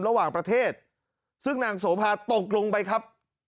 ระหว่างประเทศซึ่งนางโสภาตกลงไปครับ